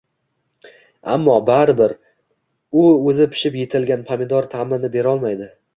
Ammo, baribir, u o’zi pishib yetilgan pomidor ta’mini berolmaydi.